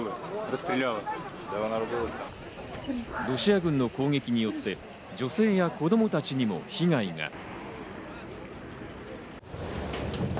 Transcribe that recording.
ロシア軍の攻撃によって女性や子供たちにも被害が。